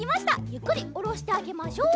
ゆっくりおろしてあげましょう。